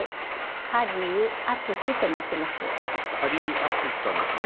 ハリウアツシと申します。